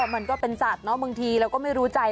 มันก็เป็นสัตว์บางทีเราก็ไม่รู้ใจ